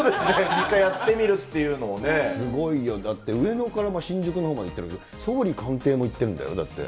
３日やってみるすごいよ、だって上野から新宿のほうまで行ってるけど、総理官邸も行ってるんだよ、だって。